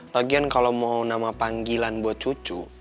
lagian kalau mau nama panggilan buat cucu